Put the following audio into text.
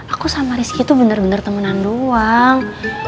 aku sama rizky tuh bener bener temenan doang